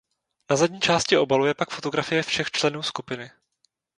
Na zadní části obalu je pak fotografie všech členů skupiny.